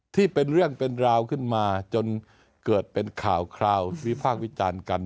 เป็นเรื่องเป็นราวขึ้นมาจนเกิดเป็นข่าวคราววิพากษ์วิจารณ์กัน